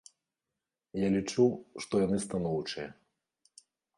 Я лічу, што яны станоўчыя.